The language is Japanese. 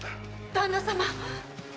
旦那様！